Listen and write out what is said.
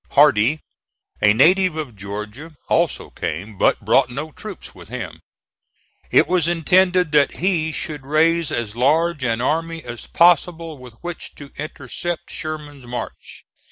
Hardee, a native of Georgia, also came, but brought no troops with him. It was intended that he should raise as large an army as possible with which to intercept Sherman's march.